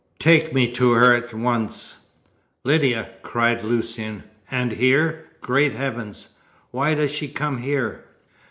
Take me to her at once." "Lydia!" called Lucian, "and here? Great heavens! Why does she come here?"